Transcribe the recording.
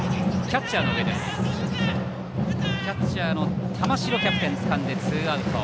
キャッチャーの玉城キャプテンがつかんでツーアウト。